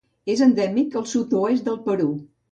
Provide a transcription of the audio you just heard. És endèmic del sud-oest del Perú.